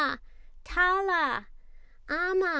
Tala!" "Amma!